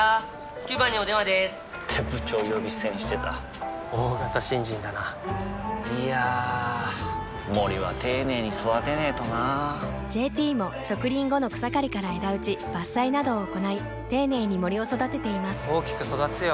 ９番にお電話でーす！って部長呼び捨てにしてた大型新人だないやー森は丁寧に育てないとな「ＪＴ」も植林後の草刈りから枝打ち伐採などを行い丁寧に森を育てています大きく育つよ